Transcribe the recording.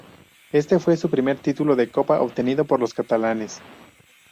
Este fue el primer título de Copa obtenido por los catalanes.